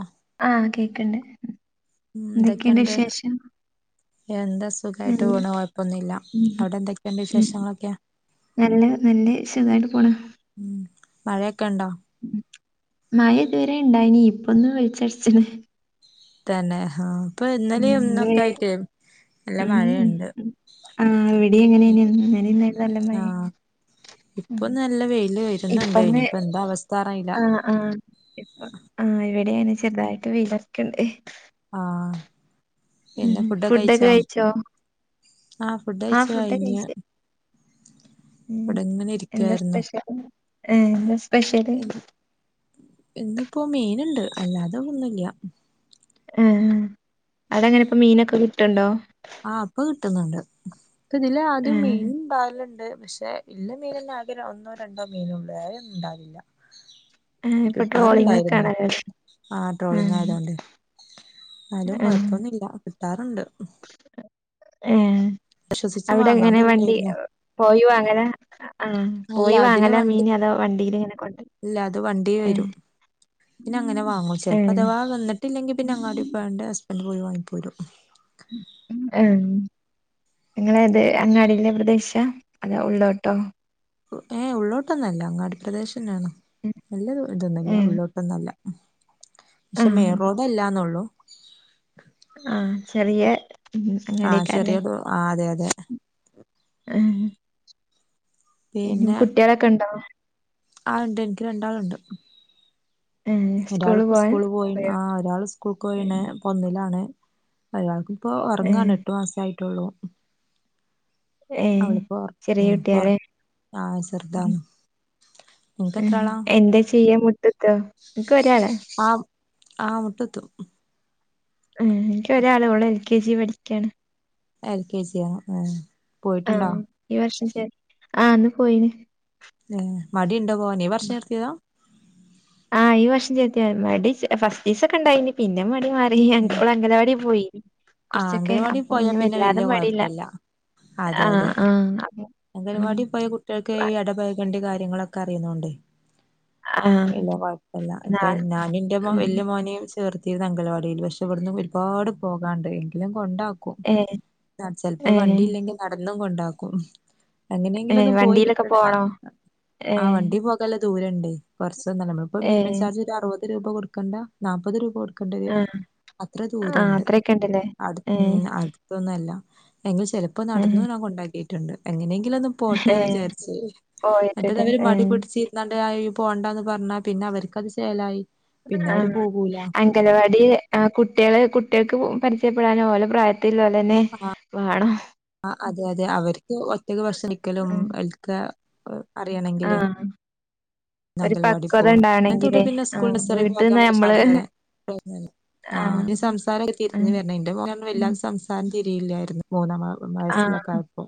ആഹ് ആ കേക്ക്ണ്ട് ന്തക്കെണ്ട് എന്തൊക്കെയുണ്ട് വിശേഷം എന്താ സുഖായിട്ട് നല്ല പോണ് കൊഴപ്പൊന്നുല്ല ഉം അവിടെ ന്തക്കെയ്ണ്ട് വിശേഷങ്ങളൊക്കെ നല്ലെ നല്ലെ സുഖായിട്ട് പോണേ ഉം മഴയൊക്കെണ്ടോ? ഉ മഴ ഇത്വരെ ണ്ടായിനി ഇപ്പൊന്ന് വെൾച്ചട്ച്ച്ണ്. തന്നെ ഹാ പ്പൊ ഉം ന്നലിം ഇന്ന് ന്നൊക്കെ ആയിട്ടേ ഉം ആ് വെടിം അങ്ങനെന്നെണ് ഇന്നലിന്നു ആയിട്ട് നല്ല മഴേ ആഹ് ഇപ്പൊ ഉം നല്ല വെയില് വെരുന്നുണ്ട് ഇപ്പൊന്ന് ഇനിപ്പോ ന്താ അവസ്ഥ അറീല്ല. ആഹ് ഇപ്പ ആ് ഇവിടെ ങ്ങനെ ചെർതായ്ട്ട് വെ യിലർക്ക്ണ്ട്. ആ പിന്നെ ഫുഡൊെ ഫുഡൊക്കെ കഴ്ച്ചോ കഴിച്ചോ? ആ ആഹ് ഫുഡഴിച്ച് കഴിഞ്ഞ് ഉ ഇവിടെ ഇങ്ങനെ എന്താ ഇരിക്കായിരുന്നു സ്പെഷ്യലൽ എന്താ സ്പെഷ്യല് ഇന്ന്പ്പോ മീന്ണ്ട് അല്ലാതെന്നുല്ല ആ അടെങ്ങനെ പ്പം മീനൊക്കെ കിട്ട്ണ്ടോ? ആഹ് പ്പൊ കിട്ട്ന്ന്ണ്ട് ഇപ്പതില് ആദ്യം ആഹ് മീൻ പാല്ണ്ട് പക്ഷെ ഇല്ല മീനെന്നെ ആകെ ഒന്നോ രണ്ടോ മീനൊള്ളൂ വേറെ ഇണ്ടാാവില്ല. ആഹ് ഇപ്പൊ ട്രോളിംഗ് ഒക്കെ കിട്ടാറ്ണ്ടായിരുന്നു ആണല്ലോ ആ ആഹ് ട്രോളിങ്ങായതോണ്ട് ന്നാലും ആഹ് കൊഴപ്പൊന്നില്ല കിട്ടാറുണ്ട് ഏഹ് വിശ്വസിച്ച് അവിടെ വാങ്ങാൻ എങ്ങനെ വണ്ടി പറ്റൂലായിരുന്നു പോയി വാങ്ങലാ ആ അല്ല പോയി അതില് വാങ്ങല വണ്ടി മീന് അതോ വണ്ടില് ഇങ്ങനെ കൊണ്ട ഇല്ല അത് വണ്ടി വരും പിന്നെ അങ്ങനെ വാങ്ങും ചെൽപ്പോ അഥവാ വന്ന്ട്ടില്ലെങ്കി പിന്നെ അങ്ങാടി പോയാണ്ട് ഹസ്ബൻന്റ് പോയി വാങ്ങിപ്പോരും ഉം ഏഹ് ഇങ്ങളേത് അങ്ങാടിലെ പ്രദേശ അതൊ ഉള്ളോട്ടോ? ഏഹ് ഉള്ളൊട്ടൊന്നല്ല അങ്ങാടി പ്രദേശന്നെണ് നല്ല തൊന്നുല്ല ഉം ഉള്ളോട്ടൊന്നല്ല ക്ഷെ മേ ആഹ് റോഡല്ലാന്നൊള്ളു ആ ചെറിയ ആഹ് അങ്ങടിയെക്കാരല്ലേ. ചെറിയ ആ അതെ അതെ ആഹ് പിന്നെ കുട്ടികളൊക്കെ ഉണ്ടോ ആണ്ട് ഇൻക്ക് രണ്ടാൾണ്ട്. ഏഹ് ഒരാൾപ്പോ പോവാൻ സ്കൂള് പോയി പോയോ ആഹ് ഒരാള് സ് കുക്കോയിണ് ഇപ്പോ ഒന്നിലാണ് ഒരാൾക്ക്പ്പോ ഏഹ് ഒറങ്ങാണ് എട്ടു മാസായിട്ടുള്ളൂ ഏഹ് അവളിപ്പോ ഉറ ചെറിയ ഉം പൊറ കുട്ടിയാലേ ആ ചെറുതാണ് നിനക്ക് ഉം എത്ര ആളാ എന്താ ചെയ്യാ മുറ്റ്ത്ത് എൻക്കൊരാളാ ആഹ് മുട്ടുത്തും ഉം എൻക്ക് ഒരാളേ ഓള്ളു എൽ കെ ജി പഠിക്ക്യാണ്. എൽ കെ ജിയാ ആ പോയ്ട്ടുണ്ടോ ആഹ്. ഈ വർഷം ചെ ആ ആന്ന് പോയിന് ഏഹ് മടീണ്ടോ പോവാന് ഈ വർഷം നിർത്തിയതാ ആ ഈ വർഷം ചേത്തിയ മടി ഫസ്റ്റിസക്കെണ്ടായിനി പിന്നെ മടി മ പി ഓള് അംഗലവാടി പോയി ആ കൊർച്ചൊക്കെ അംഗനവാടി അപ്പൊ പോയാ പിന്നെ വല്യ വല്ലാതെ മടില്ല കൊഴപ്പല്ല ആഹ് ആഹ് ഉം പ്പൊ കുട്ടിയോൾക്ക് ഈ ഇടപെയ്‌കണ്ട കാര്യങ്ങളൊക്കെ അറിണോണ്ടെ ആഹ് ഇല്ല കുഴപ്പല്ല ഇപ്പൊ നാളെ ഞാനന്റെ ഉം വല്ല്യ മോനേം ചേർത്തിരുന്നു അംഗൽവാടിയിൽ പക്ഷെ ഇവിടുന്ന് ഒരുപാട് പോകാണ്ട് എങ്കിലും കൊണ്ട ഏഹ് ചെലപ്പോ ഏഹ് വണ്ടി ഇല്ലെങ്കി നടന്നും കൊണ്ടാക്കും ഏഹ് എങ്ങനെയെങ്കിലൊന്ന് പോയി വണ്ടിയിലൊക്കെ കിട്ട പോണോ? ആ ഏഹ് വണ്ടി പോ ല്ല ദൂരണ്ട് കുറച്ചൊന്നല ഇപ്പൊ മിനിമം ഏഹ് ചാർജ് ഒരു അറുപത് രൂപ കൊടുക്കണ്ട നാല്പ്പത് രൂപ കൊടുക്ക ക്കണ്ടിരും ആഹ് അത്ര ആഹ് ദൂരണ്ട് അത്രയൊക്കെ ഇണ്ടല്ലേ അടു ഏഹ് ഉം അടുത്തൊന്നുംല്ല എങ്കിൽ ചിലപ്പോ ഏഹ് നടന്ന ഞാൻ കൊണ്ടാക്കിയിട്ടുണ്ട് എങ്ങനെയെങ്കിലൊന്നു പോട്ടന്ന് ഏഹ് വിചാരിച്ചു മറ്റത് പോയിട്ട്ല്ലേ അവര് ഏഹ് മടിപിടിച്ച് പോണ്ടന്ന് പറഞ്ഞാ പിന്നെ അവർക്കത് ചേലായി പിന്നെ ആ അവര് പോകൂല അംഗനവാടി കുട്ടികള് കുട്ടികൾക്ക് പരിചയപ്പെടാൻ ഓല പ്രായ ത്തിലോല്ലന്നെ വേണം ആ അതെ അതെ അവർക്ക് ഒറ്റക്ക് വഷം നിക്കലും ഉം എൽക്ക അറിയണെങ്കില് ആഹ് [inaudible] അംഗങ്കൽവാടി പക്വത പോകും അങ്ങനത്തൊട്ട് ഉണ്ടാവണെങ്കിലേ പിന്നെ സ്കൂളി ആഹ് [unintelligible] വീട്ടിന്ന് നമ്മള് ആഹ് സംസാരക്കെ തിരിഞ്ഞു ആഹ് വരണം എന്റെ മോനും വല്ലാതെ സംസാരം തിരിയില്ലായിരുന്നു മൂന്നാം മ വയസ്സിലൊക്കെ ആഹ് ആയപ്പോ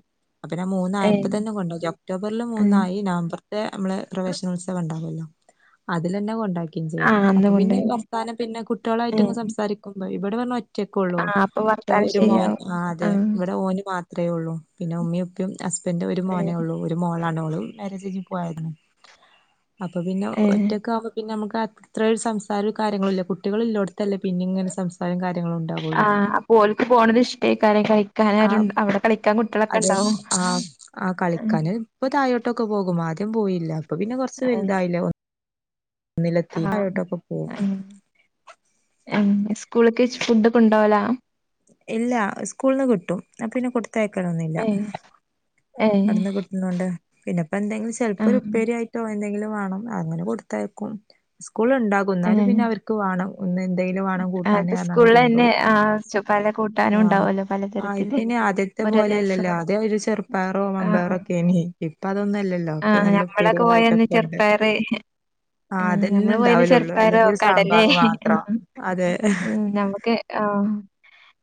അപ്പന്നെ മൂന്നായപ്പോ ഏഹ് തന്നെ കൊണ്ടോയി ഒക്ടോബറിൽ ഏഹ് മൂന്നായി നവംബർ നമ്മള് പ്രവേശന ഉത്സവം ഉണ്ടാവല്ലോ അതിലന്നെ കൊണ്ട ചെയ്തു ആഹ് അന്ന് അപ്പൊ പിന്നെ കൊണ്ടോയി വർത്താനം പിന്നെ കുട്ടിളായിട്ട് ഏഹ് സംസാരിക്കുമ്പോ ഇവിടെ പറഞ്ഞ ഒറ്റക്കുള്ളൂ ആഹ് അപ്പൊ ഇപ്പ വർത്താനം ഒരു മോൻ ശരിയാവും ആ അതെ ആഹ് ഇവിടെ ഓന് മാത്രമേ ഉള്ളൂ പിന്നെ ഉമ്മിയുപ്പും ഹസ്ബൻ്റും ഒരു ഏഹ് മോനേ ഉള്ളൂ ഒരു മോളാണ് ഓള് മരേജ് ചെയ്തു പോയാരുന്നു അപ്പൊ പിന്നെ ഏഹ് ഒറ്റക്കെ ആവുമ്പോ പിന്നെ നമുക്ക് അത്ര ഒരു സംസാരവും കാര്യങ്ങളും ഇല്ല കുട്ടികള ഇല്ലേടത് ല്ലേ പിന്നെ ഇങ്ങന സംസാരം കാര്യങ്ങളും ഉണ്ടാവുള്ളു ആഹ് അപ്പൊ ഓൽക്ക് പോകണ ഇഷ്ട്ടേകാരം ആ കിക്കാനരുണ്ട് അവിടെ കളിക്കാൻ കുട്ടികളൊക്കെ അതെ ഉണ്ടാവും ആ ആ കളിക്കാന് ഇപ്പൊ തായഴോട്ടൊക്കെ പോകും ആദ്യം പോയില്ല അപ്പൊ പിന്നെ കുറച്ച് വലുതായില്ല ആ പോകും സ്കൂളക്ക് ഫുഡ് ഒക്കെ കൊണ്ടോവല ഇല്ല സ്കൂളന്ന് കിട്ടും ആ പിന്നെ കൊടുത്തയകൽ ഒന്ന് ല്ലാ ഏഹ് ഏഹ് കടന്ന് കിട്ടുന്നുണ്ട് പിന്നെ ഇപ്പ എന്തെങ്കിലും ചിലപ്പോ ആഹ് ഉപ്പ്പേരി ആയിട്ട് പുട്ടോ എന്തെങ്കിലും വേണം അങ്ങനെ കൊടുത്തേക്കും സ്കൂൾ ഉണ്ടാകുന്നാലും ഏഹ് പിന്നെ അവർക്ക് ക്ക് വേണം ഒന്ന് എന്തെും ണം അത് കൂട്ടാനെണ്ട് സ്കൂളിലെന്നെ കൊണ്ടപോകും ആഹ് പല കൂട്ടാനും ആ ഉണ്ടാവല്ലോ ആ പലതരത്തില് പിന്നെ ആദ്യ തേ ഓരോ പോലെ അല്ലല്ലോ ദിവസവും അതേ ഒരു ചെറുപ്പയറോ മമ്പേറോ ഒക്കൊണ് ഇപ്പൊ അതൊന്നുമല്ലല്ലോ ആഹ ഞമ്മളൊക്കെ പോയന്ന് ചെറുപ്പറ് ആ ആഹ് അതന്നെ നമ്മള് പോയുന്ന ഉണ്ടാവലുള്ളൂ ചെറുപ്പാരോ അല്ലെങ്കിൽ ഒരു കടല സാമ്പാർ ആ മാത്രം അതെ നമ്മുക്ക് ആഹ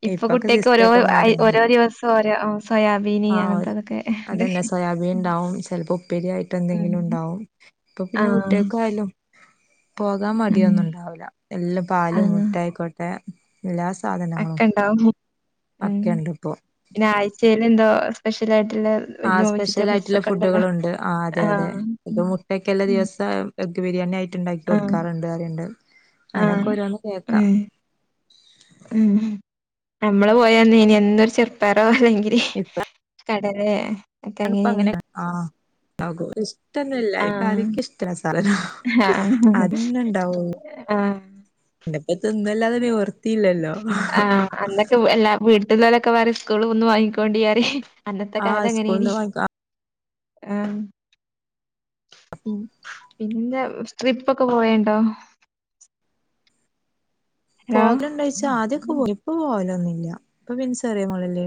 ഇപ്പൊ ഇപ്പൊക്കെ കുട്ടികക്ക് സിസ്റ്റം ഓരോ ഒക്കെ മാറിണ് ഓരോ ദിവസം സോയാബീന് അങ്ങനത്തെതൊക്കെ അത് തന്നെ സോയാബീൻ ഉണ്ടാവും ചിലപ്പോ ഉപ്പരിയയിട്ട് ഇപ്പ എന്തെങ്കിലും ഉം ഉണ്ടാവും ഇപ്പൊ പിന്നെ ആഹ് കുട്ടികൾക്ക ആയാലോ പോകാൻ ഉം മടിയൊന്നും ഉണ്ടാവില്ല എല്ലാം പാലും ആഹ് മുട്ടായിക്കോട്ടെ എല്ലാ സാധനങ്ങളും ഉണ്ടാവും ഒക്കെ ഉണ്ട് ഇപ്പോ പിന്നെ ആഴ്ചയിൽ എന്തോ സ്പെഷ്യൽ ആയിട്ടുള്ള ആ നോ സ്പെഷ്യൽ വെജിറ്റബിൾസ് ആയിട്ടുള്ള ഒക്കെ ഉണ്ടല്ലോ. ഫുഡുകളൾുണ്ട് ആ അതെ അതെ ആഹ്. ഇപ്പ മുട്ടക്കല്ല ഉം. ദിവസം വെജ് ബിരിയാണി ആയിട്ട്ണ്ടാക്കി ആഹ്. കൊടുക്കാറുണ്ട് അറിയണ്ട് അതിനൊക്കെ ആഹ്. ഓരോന്ന് കേൾക്കാം ഉം. ഉം നമ്മള് പോയന്നേനി എന്നൊരു ചെറുപ്പയറോ അല്ലെങ്കില് ഇപ്പൊ കടലേ ഒക്കെ ആണപ്പ അങ്ങനേനി. അങ്ങനെ ആ ഇഷ്ടന്നല്ലാക്ക ഇഷ്ട സാധന ആഹ ആഹ തിന്നല്ലാതെ നിവർ [inaudible] ആഹ അന്നൊക്കെ എല്ലാ വീട്ടില് ലൊക്കെ പറയും സ്കൂള്ന്ന് വാങ്ങിക്കോണ്ടി പറയും അന്നത്തെ ആ കാലം അങ്ങനെ എനി സ്കൂളിന്ന് വാങ്ങിക്ക ആഹ ഉം പിന്നെ ട്രിപ്പ് ഒക്കെ പോയണ്ടോ ഹലോ. പോകലുണ്ടോഴ്ച്ചാ ആദ്യൊക്കെ പോയിരുന്നു ഇപ്പ പോവലൊന്നുമില്ല ഇപ്പൊ ചെറിയ മോൾ അല്ലെ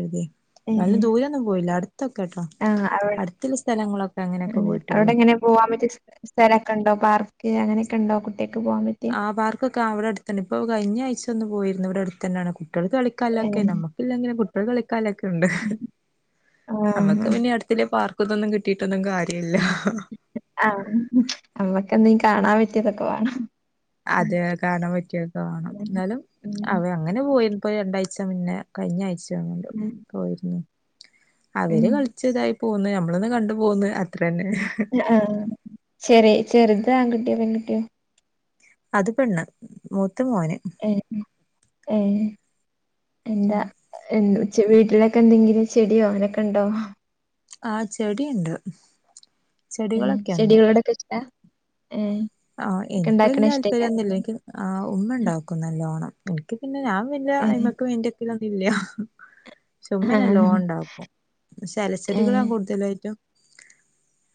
ഏഹ്. ഉള്ളത്ഇന്നാലും ദൂരമൊന്നും പോയില്ല അടുത്ത് അത്തൊക്കെ കേട്ടോ ആഹ്. അവിടെ അടുത്തുള്ള സ്ഥലങ്ങളൊക്കെ അങ്ങനെയൊക്കെ പോയിട്ടുള്ളൂ പോകാൻ പറ്റ്ണ സ്ഥലമൊക്കെ ഉണ്ടോ പാർക്ക് അങ്ങനെയൊക്കെ ഉണ്ടോ കുട്ടിയൊക്കെ പോകാൻ പറ്റ്ണ ആ പാർക്കെ ഇവിടെ അടുത്തുണ്ട് ഇപ്പോ കഴിഞ്ഞ ആഴ്ച ഒന്ന് പോയിരുന്നു ഇവിടെ അടുത്തന്നാണ് കുട്ടികൾ കളിക്കനൊക്കെ നമ്മക്ക് ഇല്ലെങ്കിലും കുട്ടികൾക്ക് കളിക്കാനൊക്കെ ഉണ്ട് നമ്മുക്ക് ആഹ് പിന്നെ അടു പിന്നെ പാർക്ക് തൊന്നും കിട്ടിട്ടൊന്നും കാര്യമില്ല ഹഹഹ ആ ഞമ്മക്ക് എന്തെങ്കിലും കാണാൻ പറ്റിയതൊക്കെ വേണം അതെ കാണാൻ പറ്റിയൊക്കെ കാണും ഉം എന്നാലും അതെ അങ്ങനെ പോയിപ്പോ രണ്ടാഴ്ച മുന്നേ കഴിഞ്ഞ ആഴ്ച ഉം പോയിരുന്നു ഉം അവര് കളിച്ചതായി പോന്ന് നഞമ്മളൊന്ന് കണ്ടു പോന്ന് അത്ര തന്നെ ആഹ ചെറി ചെറുത് ആൺകുട്ടിയോ പെൺകുട്ടിയോ അത് പെണ്ണ് മൂത്ത് മോന് ഏ ഏ എന്താ വീട്ടിലൊക്കെ എന്തെങ്കിലും ചെടിയോ അങ്ങനൊക്കെ ഉണ്ടോ ആ ചെടി ഇണ്ട് ഉം ചെടികളോടൊക്കെ ഇഷ്ടാ ഏഹ് ആഹ് ഒക്കെ എനിക്ക് ഉണ്ടാക്കണ വല്ലിയ ഇഷ്ടേക്കാരം താല്പര്യംന്നുല്ല ഇൻക്ക് ആഹ് ഉമ്മ ഉണ്ടാക്കും നല്ലോണം. എനിക്ക് പിന്നെ ഞാൻ വല്ല ഏഹ് ഐമക്ക് മൈന്റക്കലൊന്നു ഇല്ല പക്ഷെ ഉമ്മ ആഹ് നല്ലോണം ഇണ്ടാക്കും. ക്ഷെ ഇലച്ചെടികളാ ഏഹ് കൂടുതലായിട്ടും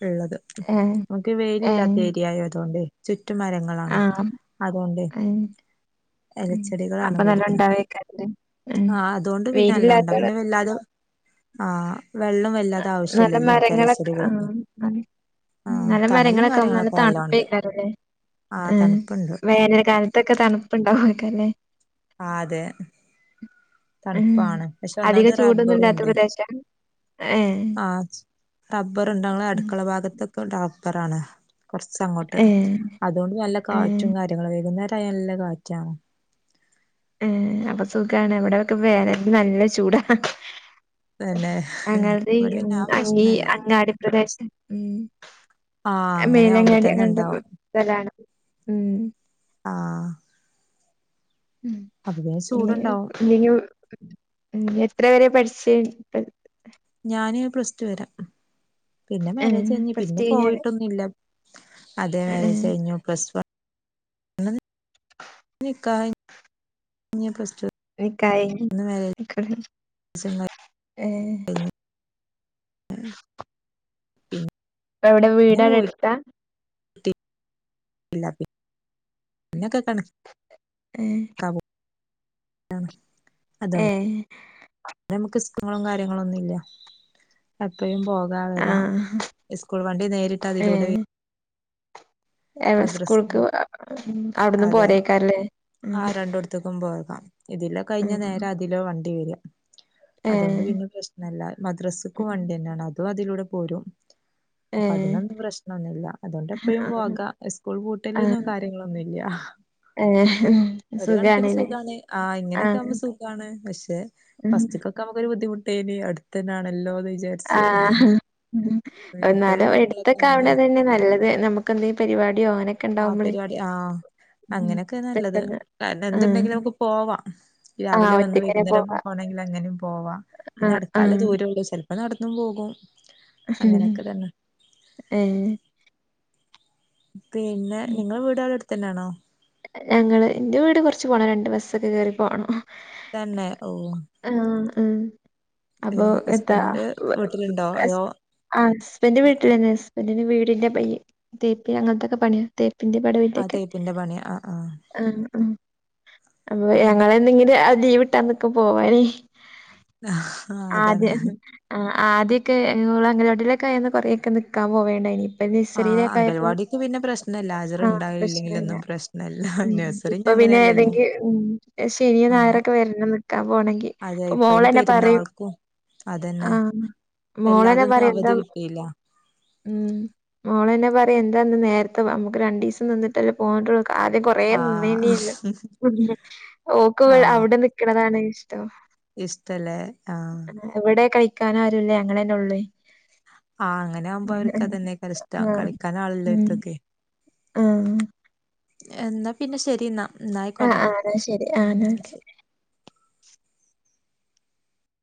ഇള്ളത്. ഏഹ് നമുക്ക് വെയിലില്ലാത്ത ഏഹ് ഏരിയായോ അതോണ്ട് ചുറ്റുമരങ്ങ ളാണ് അതോണ്ടെ ആഹ് ഉം എലച്ചെടികളാണ് അപ്പൊ നല്ല കൂടുതലും. ഉണ്ടാവേക്കാരല്ലേ ഉം ആഹ് അതുകൊണ്ട് പിന്നെ അല്ലോണ്ട് അപ് വെയിലില്ലാത്തോട് പിന്നെ വല്ലാതെ ആഹ് വെള്ളം വല്ലാതെ നല്ല ആവശ്യല്ലല്ലോ അപ്പൊ മരങ്ങളൊക്കെ ആഹ് എലച്ചെടികൾക്ക് ഉം ആഹ് നല്ല തണലും മരങ്ങളൊക്കെ ആകുമ്പോ നല്ല കാര്യങ്ങളൊക്കെ നല്ലോണ്ട് തണുപ്പേക്കാരെലേ ആഹ് ഏഹ് തണുപ്പുണ്ട് വേനൽ കാലത്ത് ത്തെക്കെ തണുപ്പുണ്ടാവെ ക്കാരെല്ലേ ആഹ് അതെ ഉം തണുപ്പാണ് പക്ഷെ അധികം ഒന്നാമത് ചൂടൊന്നും റബ്ബറും ഇല്ലാത്ത പ്രദേശം ആണ് ഏ ഹ് ആച് റബ്ബർ ഉണ്ട്. ഞങ്ങളുടെ അടുക്കള ഭാഗത്തൊക്കെ റബ്ബറാണ് കൊറ്ച്ച് അങ്ങോട്ട്. ഏ അതുകൊണ്ട് നല്ല ഏ കാറ്റും കാര്യങ്ങളു. വൈകുന്നേര ആയ നല്ല കാറ്റണ് ങേ അപ്പൊ സുഖാണ് ഇവിടെ ഒക്കെ വേനലിനു നല്ല ചൂടാ ഹഹഹ പിന്നെ അങ്ങള്ത് ഇവിടെ പിന്നെ ഉം ആ ഈ പ്രശ്നല്ല അങ്ങാടി പ്രദേശം ഉം ആഹ് അങ്ങനെ ആവുമ്പോ മേലങ്ങാടി തന്നെ അങ്ങൻത്തെ ഉണ്ടാവും സ്ഥലാണ് ഉം ആഹ് അപ്പൊ പിന്നെ ചൂടുണ്ടാവും [unintelligible] എത്ര വരെ പഠിച്ച് ഞാന് പ്ലസ്‌റ്റു വരെ. പിന്നെ മാരേജ് ഏഹ് കഴിഞ്ഞ് പ്ലസ് ടു പിന്നെ കഴിഞ്ഞാല് പോയിട്ടൊന്നും ഇല്ല അതേ ഏഹ് മാരേജ് കഴിഞ്ഞു പ്ലസ് വൺ [inaudible] നിക്കാഹ് കഴിഞ ഇഞ്ഞ്പ്ലസ്ടു ഇഞ്ഞ് കഴ്ഞ്ഞ് ഏഹ് കഴിഞ്ഞു പിൻ ഇപ്പോ എവിടെ വീട് അവിടെ എടുത്താ [unintelligible] എല്ല [unintelligible] പിന്നെ കേക്കാണ് ഏഹ് [unintelligible] നമു ന്താണ് അപ് എൻ നമുക്ക് ഇസ്ക്കങ്ങളും കാര്യങ്ങളു ഒന്നു ഇല്യ. എപ്പഴും പോകാ വരാ ആഹ് സ്കൂൾ വണ്ടി നേരിട്ട് അതിലൂടെ വെര് ഏഹ് മദ്രസ് സ്കൂൾക്ക് അവിട്ന്ന് പോരേക്കാരല്ലേ ത്ത്ക്കും പോകാം ഇതിലെ കഴിഞ്ഞ ഉം നേര അതിലൊ വണ്ടി വരാ അതുകൊണ്ട് ഏഹ് പിന്നെ. പ്രശ്നല്ല. മദ്രസ്ക്കും വണ്ട്യന്നാണ്. അതും അതിലൂടെ പോരും അപ്പ ഏഹ് അതിനൊന്നും പ്രശ്നൊന്ന്ല്ല അതുകൊണ്ട് എപ്പഴും ആഹ് പോക സ്കൂൾ പൂട്ടല്ന്നും ആഹ് കാര്യങ്ങളൊന്നുല്ല്യ ഏഹ് ഒരു കണക്കിന് സുഖാണ്ല്ലേ സുഖാണ്. ആഹ് ഇങ്ങനെയൊക്ക ആഹ് ആവുമ്പൊ സുഖാണ് പക്ഷെ ഫസ്റ്റ്ക്ക് ഒക്കെ നമുക്ക് ഒരു ബുദ്ധിമുട്ടേനി. അടുത്തെന്നാണല്ലോന്ന് വിചാ ആ കുട്ടികളും ഇന്നാലും മക്കളൊക്കെ എടുത്തൊക്കെ ആവ്ണ ആവുമ്പേ തന്നെ നല്ലത് നമുക്ക് എന്തെ പരിപാടിയൊ അങ്ങനെ ആഹ് പരിപാടി ആഹ് അങ്ങനെയൊക്കെ നല്ലത് പെട്ടെന്ന് കാര്ണം ആഹ്. എന്തുണ്ടെങ്കിലും നമുക്ക് പോവാം. ആഹ് രാവിലെ വന്ന് ഒറ്റക്കന്നെ വൈകുന്നേരം പോവാ. പോണെങ്കിൽ അങ്ങനിം പോവാ. പിന്നെ ആഹ് അടുക്കാല ആഹ്. ദൂര ഒള്ളൂ ചെല്പ്പോ നടന്നും പോകും. അങ്ങനെയൊക്കെ തന്നെ ഏഹ് പിന്നെ ഉം. നിങ്ങളെ വീട് അവിടെ അടുത്ത് തന്നൊണോ ഞങ്ങള് എന്റെ വീട് കുറച്ച് പോണം രണ്ട് ബസ്സൊക്കെ കേയറി പോണം. തന്നെ ഓ ഉം ഉം അപ്പൊ എത്താ ഹസ്ബൻഡ് വീട്ടിലുണ്ടോ അതോ ആ് ഹസ്ബൻഡ് വീട്ടിലിണ്ട് ഹസ്ബന്റിന്റെ വീടിന്റെ പനി തേപ്പി അങ്ങനത്തൊക്കെ പണിയ തേപ്പിന്റെ പടവിന്റെ ആ ഒക്കെ തേപ്പിന്റെ പണി ആ ആ ആഹ ആ അപ്പൊ ഉം. ഞങ്ങള് ഇന്ന് ഇങ്ങനെ ലീവ് കിട്ടാന്നിക്ക പോവാനേ ആ അതാണ് അതെ ആ ആദ്യൊക്കെ ഇവള് അംഗനവാടിലൊക്കെ ആയ കൊറേ ഒക്കെ നിക്കാൻ പോവണ്ടേനി. ഇപ്പൊ ആ നഴ്സറിലൊക്കെ ആയപ്പോ അംഗൽവാടിക്ക് പിന്നെ പ്രശ്നല്ല ഹാജർ ആഹ പ്രശ്നല്ല്യ ഉണ്ടായില്ലെങ്കിലൊന്നും പ്രശ്നല്ല ഉം നഴ്സറിന് ഇപ്പൊ പിന്നെ അങ്ങനെയല്ലല്ലോ ഏതെങ്കി ഉം ശനിയ ആ നായറൊക്കെ വരണം നിൽക്കാൻ പോണെങ്കിൽ അതെ അപ്പൊ ഇപ്പ അയിന് മോളെന്നെ പറയും പെരുന്നാൾക്കും അതന്നെ ആഹ മോളന്നെ എല്ലാതൊന്നും പറയു എന്താ അവധി കിട്ടിയില്ല ഉം മോളന്നെ പറയാ എന്താ ഇന്ന് നേരത്തെ നമുക്ക് രണ്ടു ദിവസം നിന്നിട്ടല്ലേ പോന്നിട്ടൊള്ളു കാല് കൊ കൊറെ ആഹ് ആഹ് നിന്നീനിയല്ലൊ ഓക്ക് അവിടെ നിക്കണതാണ് ഇഷ്ടം ഇഷ്ടലെ ആഹ എവിടെ കളിക്കാനും ആരുല്ല ഞങ്ങള് തന്നെ ഒള്ളെ ആഹ് അങ്ങനെ ആവുമ്പൊ അവർക്ക് അത് തന്നെ ഏക്കാരം ഇഷ്ടം കളിക്കാൻ ആളല്ലോട്ത്തൊക്കെ ആഹ എന്നാ പിന്നെ ശരി എന്നാ എന്നാ ആഹ് ആയിക്കോട്ടെ ആഹ ന്നാ ശരി ഉം ആന ശരി ഓക്കെ